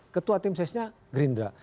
ketua tim sesnya gerindra